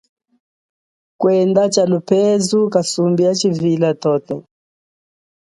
Kwenda tshalupezu kasumbi ya tshivila toto.